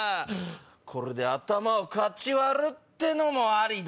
これで頭をかち割るってのもありだ。